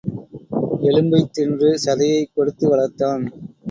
எலும்பைத் தின்று சதையைக் கொடுத்து வளர்த்தான்.